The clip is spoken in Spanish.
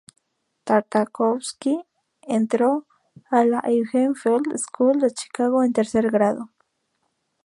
Tartakovsky entró a la Eugene Field School de Chicago en tercer grado.